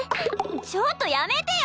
ちょっとやめてよ！